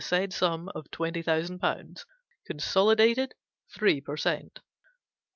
said sum of twenty thousand pounds, Consoli dated Three per Cent.